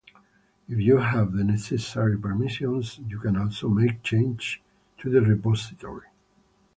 If you have the necessary permissions, you can also make changes to the repository.